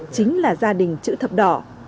chính là gia đình chữ thập đỏ